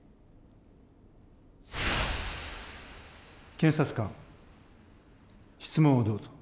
検察官質問をどうぞ。